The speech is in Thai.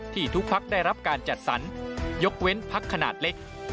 ทุกพักได้รับการจัดสรรยกเว้นพักขนาดเล็ก